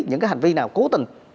những hành vi nào cố tình